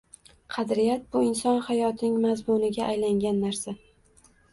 Qadriyat bu inson hayotining mazmuniga aylangan narsa